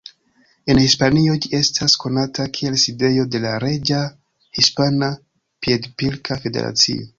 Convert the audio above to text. En Hispanio ĝi estas konata kiel sidejo de la Reĝa Hispana Piedpilka Federacio.